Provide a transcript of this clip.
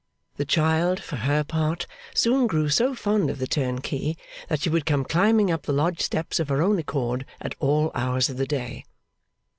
The child, for her part, soon grew so fond of the turnkey that she would come climbing up the lodge steps of her own accord at all hours of the day.